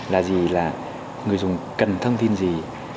là gì là người dùng cần thông tin gì